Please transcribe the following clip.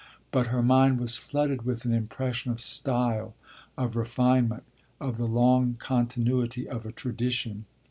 But her mind was flooded with an impression of style, of refinement, of the long continuity of a tradition.